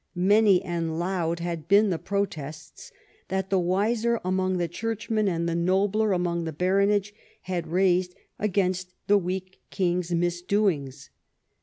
Many and loud had been the protests that the wiser among the churchmen and the nobler among the baronage had raised against the weak king's misdoings.